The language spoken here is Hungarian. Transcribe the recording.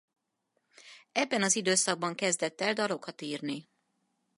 Ebben az időszakban kezdett el dalokat írni.